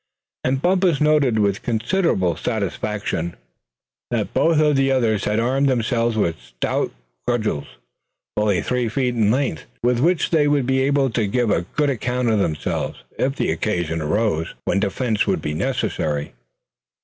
And Bumpus noted with considerable satisfaction that both of the others had armed themselves with stout cudgels, fully three feet in length, with which they would be able to give a good account of themselves if the occasion arose when defense would be necessary.